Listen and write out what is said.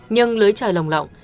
nhưng lưới trời lồng lộng